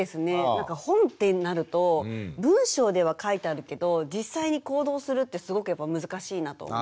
なんか本ってなると文章では書いてあるけど実際に行動するってすごくやっぱ難しいなと思って。